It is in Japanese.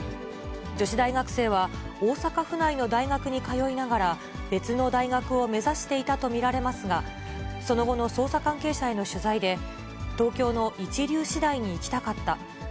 女子大学生は、大阪府内の大学に通いながら、別の大学を目指していたと見られますが、その後の捜査関係者への取材で、東京の一流私大に行きたかった。